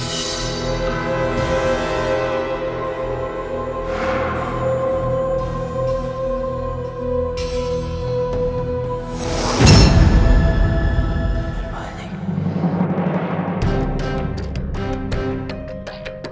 itu manusia serigalanya